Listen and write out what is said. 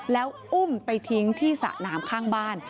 แล้วอุ้มไปทิ้งที่สระน้ำข้างบ้าน